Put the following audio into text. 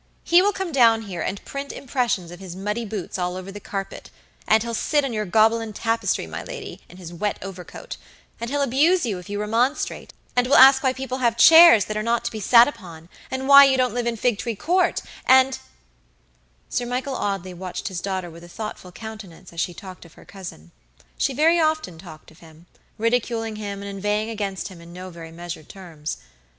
He will come down here and print impressions of his muddy boots all over the carpet, and he'll sit on your Gobelin tapestry, my lady, in his wet overcoat; and he'll abuse you if you remonstrate, and will ask why people have chairs that are not to be sat upon, and why you don't live in Figtree Court, and" Sir Michael Audley watched his daughter with a thoughtful countenance as she talked of her cousin. She very often talked of him, ridiculing him and inveighing against him in no very measured terms.